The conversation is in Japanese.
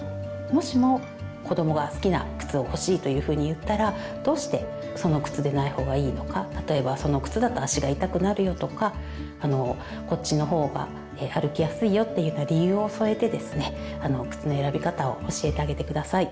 もしも子どもが好きな靴を欲しいというふうに言ったらどうしてその靴でない方がいいのか例えばその靴だと足が痛くなるよとかこっちの方が歩きやすいよっていうような理由を添えてですね靴の選び方を教えてあげて下さい。